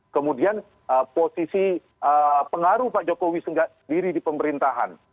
kemudian posisi pengaruh pak jokowi sendiri di pemerintahan